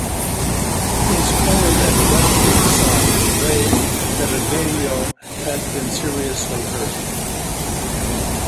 His cornermen rushed to his side, afraid that Arguello had been seriously hurt.